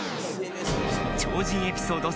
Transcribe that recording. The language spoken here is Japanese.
超人エピソード